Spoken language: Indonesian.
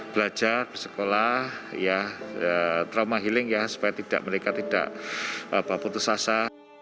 belajar sekolah ya trauma healing ya supaya tidak mereka tidak apa putus asa